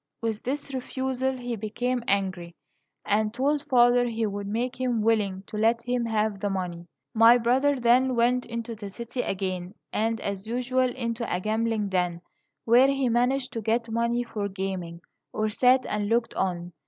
With this refusal he became angry, and told father he would make him willing to let him have the money. My brother then went into the city again, and, as usual, into a gambling den, where he managed to get money for gaming, or sat and looked on.